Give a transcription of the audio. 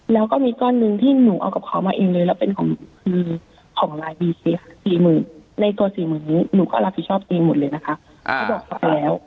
แล้วก็มีก้อนหนึ่งที่หนูเอากับเขามาเองเลยแล้วเป็นของหนูคือของลายบีเคสี่หมื่นในตัวสี่หมื่นนี้หนูก็รับผิดชอบเองหมดเลยนะคะเขาบอกฝากแล้ว